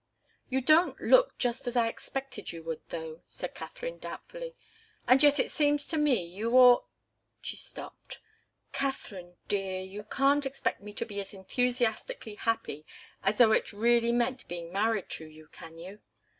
"You don't look just as I expected you would, though," said Katharine, doubtfully. "And yet it seems to me you ought " She stopped. "Katharine dear you can't expect me to be as enthusiastically happy as though it really meant being married to you can you?"